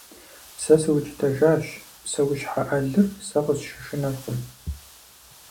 Сэ сыукӀытэжащ: псэущхьэ Ӏэлыр сэ къысщышынэркъым.